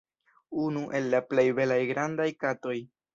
Unu el la plej belaj grandaj katoj.